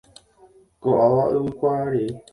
Ko'ág̃a yvykuarei.